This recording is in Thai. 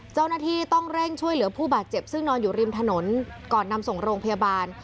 เจ้าหน้าที่ต้องเร่งช่วยเหลือผู้บาดเจ็บซึ่งนอนอยู่ริมถนนก่อนนำส่งโรงพยาบาล